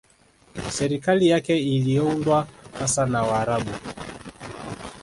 Serikali yake iliyoundwa hasa na Waarabu